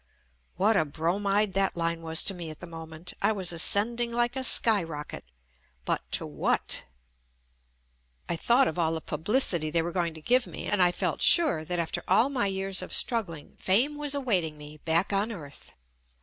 What a bromide that line was to me at the moment, I was ascending like a skyrocket, but to what? I thought of all the publicity they were going JUST ME to give me, and I felt sure that after all my years of struggling fame was awaiting me back on earth.